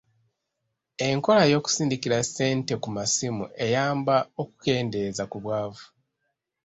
Enkola y'okusindikira ssente ku masimu eyamba okukendeeza ku bwavu.